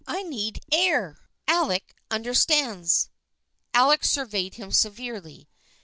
I need air. Alec understands." Alec surveyed him severely.